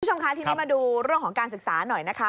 คุณผู้ชมคะทีนี้มาดูเรื่องของการศึกษาหน่อยนะคะ